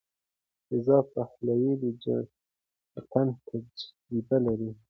رضا پهلوي د جلاوطنۍ تجربه لري.